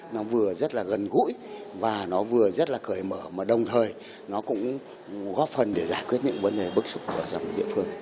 nó vừa rất là gần gũi và nó vừa rất là cởi mở mà đồng thời nó cũng góp phần để giải quyết những vấn đề bức xúc ở trong địa phương